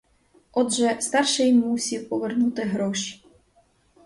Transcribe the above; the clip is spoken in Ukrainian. Отже, старший мусів повернути гроші.